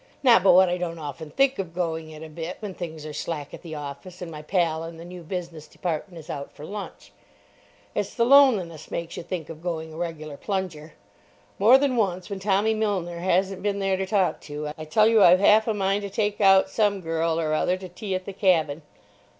Not but what I don't often think of going it a bit when things are slack at the office and my pal in the New Business Department is out for lunch. It's the loneliness makes you think of going a regular plunger. More than once, when Tommy Milner hasn't been there to talk to, I tell you I've half a mind to take out some girl or other to tea at the "Cabin."